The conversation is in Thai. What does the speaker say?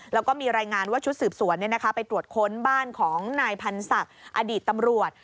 แล้วก็มีรายงานว่าชุดสืบสวนไปตรวจค้นบ้านของนายพันธ์ศักดิ์อดีตตำรวจ